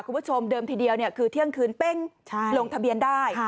คุณผู้ชมเดิมทีเดียวคือเที่ยงคืนเป้งลงทะเบียนได้